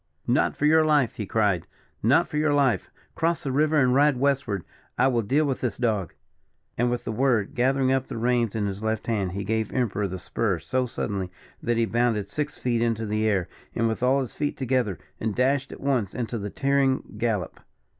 "Not for your life!" he cried "not for your life! Cross the river, and ride westward. I will deal with this dog." And, with the word, gathering up the reins in his left hand, he gave Emperor the spur so suddenly that he bounded six feet into the air, with all his feet together, and dashed at once into his tearing gallop.